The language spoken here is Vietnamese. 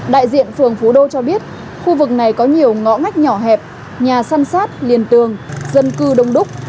đại diện phường phú đô cho biết khu vực này có nhiều ngõ ngách nhỏ hẹp nhà săn sát liền tường dân cư đông đúc